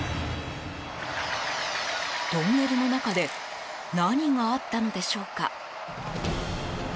トンネルの中で何があったのでしょうか。